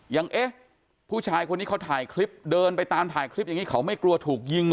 เอ๊ะผู้ชายคนนี้เขาถ่ายคลิปเดินไปตามถ่ายคลิปอย่างนี้เขาไม่กลัวถูกยิงเหรอ